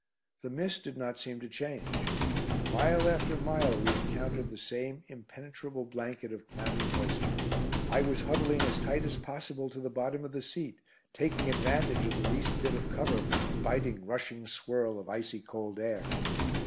The mist did not seem to change. Mile after mile we encountered the same impenetrable blanket of clammy moisture. I was huddling as tight as possible to the bottom of the seat, taking advantage of the least bit of cover from the biting, rushing swirl of icy cold air.